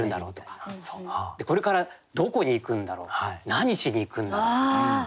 これからどこに行くんだろう何しに行くんだろうみたいな。